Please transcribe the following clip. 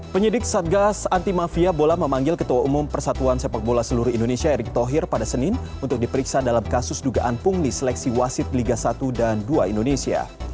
penyidik satgas anti mafia bola memanggil ketua umum persatuan sepak bola seluruh indonesia erick thohir pada senin untuk diperiksa dalam kasus dugaan pungli seleksi wasit liga satu dan dua indonesia